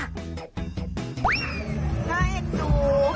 ได้ดู